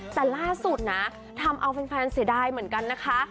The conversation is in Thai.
แต่ล่าสุดนะทำเอาแฟนเสียดายเหมือนกันนะคะ